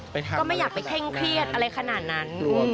ก็ไม่อยากไปเคร่งเครียดอะไรขนาดนั้น